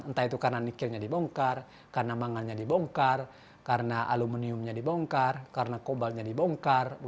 entah itu karena nikirnya dibongkar karena mangannya dibongkar karena aluminiumnya dibongkar karena kobalnya dibongkar